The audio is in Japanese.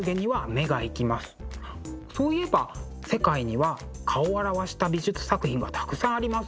そういえば世界には顔を表した美術作品がたくさんありますよね。